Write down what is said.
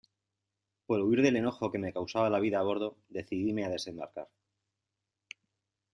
por huir del enojo que me causaba la vida a bordo , decidíme a desembarcar .